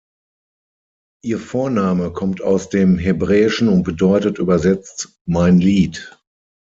Ihr Vorname kommt aus dem Hebräischen und bedeutet übersetzt „Mein Lied“.